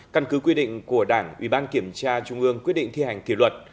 căn cứ quy định của đảng ủy ban kiểm tra trung ương quyết định thi hành kỷ luật